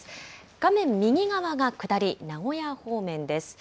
画面右側が下り、名古屋方面です。